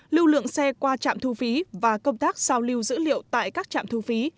lưu lượng xe qua trạm thu phí và công tác sao lưu dữ liệu tại các trạm thu phí